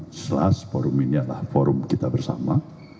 jelas forum ini adalah forum kita bersama